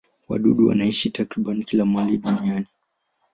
Wadudu wanaishi takriban kila mahali duniani.